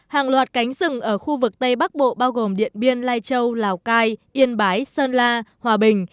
hàng loạt cánh rừng ở khu vực tây bắc bộ bao gồm điện biên lai châu lào cai yên bái sơn la hòa bình